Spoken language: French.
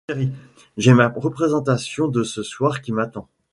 J’ai ma représentation de ce soir qui m’attend.